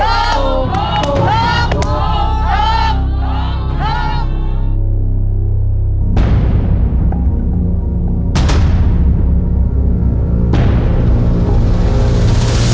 ถูกครับ